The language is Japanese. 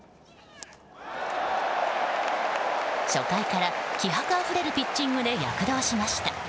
初回から気迫あふれるピッチングで躍動しました。